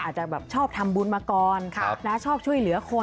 อาจจะแบบชอบทำบุญมาก่อนชอบช่วยเหลือคน